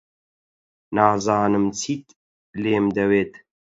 نازانم چیت لێم دەوێت.